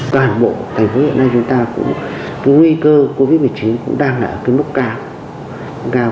toàn bộ thành phố hiện nay chúng ta cũng cái nguy cơ covid một mươi chín cũng đang ở cái mức cao